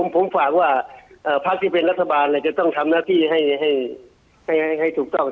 ผมฝากว่าพักที่เป็นรัฐบาลจะต้องทำหน้าที่ให้ถูกต้อง